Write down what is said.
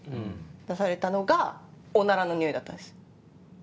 出されたのがおならのにおいだったんです。